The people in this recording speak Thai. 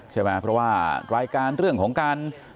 ใช่ไหมเพราะว่ารายการเรื่องของการ